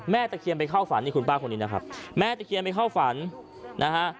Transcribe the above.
ตะเคียนไปเข้าฝันนี่คุณป้าคนนี้นะครับแม่ตะเคียนไปเข้าฝันนะฮะ